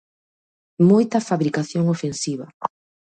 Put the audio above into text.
Moita fabricación ofensiva.